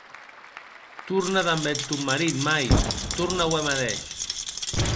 Torna damb eth tòn marit, mair, torna aué madeish.